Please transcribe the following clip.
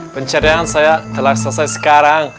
penceriaan saya telah selesai sekarang